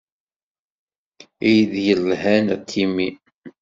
Iḍ yelhan a Timmy.